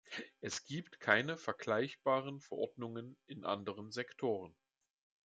Es gibt keine vergleichbaren Verordnungen in anderen Sektoren.